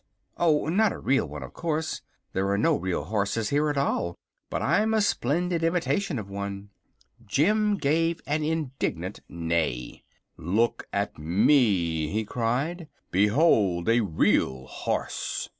"Oh, not a real one, of course. There are no real horses here at all. But I'm a splendid imitation of one." Jim gave an indignant neigh. "Look at me!" he cried. "Behold a real horse!"